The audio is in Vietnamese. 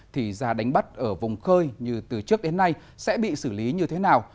thì ra đánh bắt ở vùng khơi như từ trước đến nay sẽ bị xử lý như thế nào